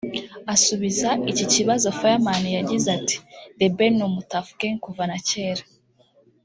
Asubiza iki kibazo Fireman yagize ati”The Ben ni umu Tuff Gang kuva na cyera